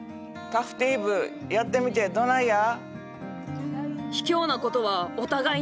タフティーブやってみてどないや？